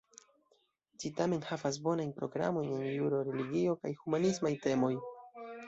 Ĝi tamen havas bonajn programojn en juro, religio, kaj humanismaj temoj.